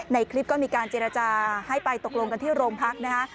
ในคลิปก็มีการเจรจาให้ไปตกลงกันที่โรงพักนะคะ